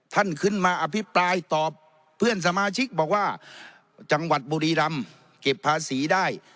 ท่านขึ้นมาอภิปรายตอบเพื่อนสมาชิกบอกว่าจังหวัดบุรีรำเก็บภาษีได้